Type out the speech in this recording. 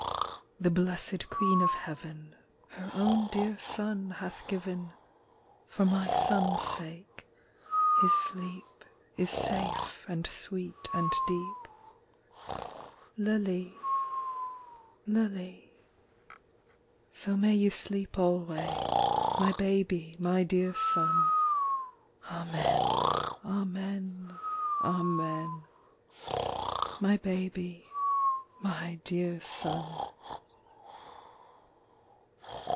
The blessed Queen of Heaven Her own dear Son hath given For my son s sake; his sleep Is safe and sweet and deep. Lully ... Lulley. ... So may you sleep alway, My baby, my dear son: Amen, Amen, Amen. My baby, my dear son.